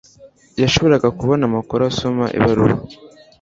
yashoboraga kubona amakuru asoma ibaruwa